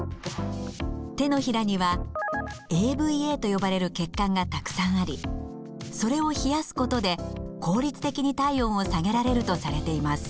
手のひらにはＡＶＡと呼ばれる血管がたくさんありそれを冷やすことで効率的に体温を下げられるとされています。